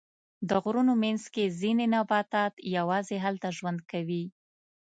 د غرونو منځ کې ځینې نباتات یواځې هلته ژوند کوي.